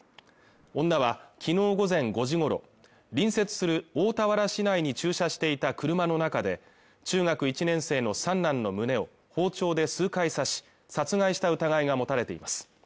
女は昨日午前５時ごろ隣接する大田原市内に駐車していた車の中で中学１年生の三男の胸を包丁で数回刺し殺害した疑いが持たれています